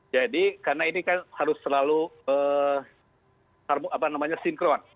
jadi karena ini kan harus selalu apa namanya sinkron